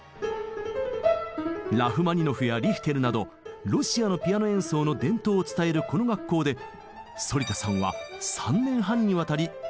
ラフマニノフやリヒテルなどロシアのピアノ演奏の伝統を伝えるこの学校で反田さんは３年半にわたり研さんを積みました。